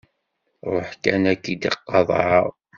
Ṛuḥ kan ad k-id-qaḍɛeɣ.